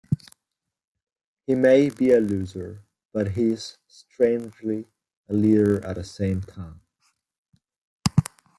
He may be a loser, but he's, strangely, a leader at the same time.